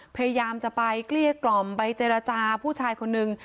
พยายามจะไปเกลี้ยกล่อมไปเจรจาผู้ชายคนนึง